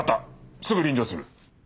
すぐ臨場する。